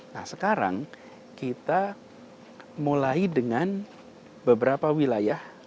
nah sekarang kita mulai dengan beberapa wilayah